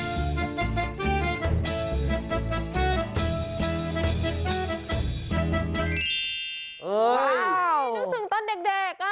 เห้ยอาวนึกถึงตอนเด็กโอ๊ก